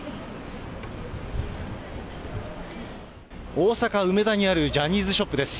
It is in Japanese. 大阪・梅田にあるジャニーズショップです。